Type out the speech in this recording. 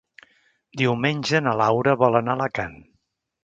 Diumenge na Laura vol anar a Alacant.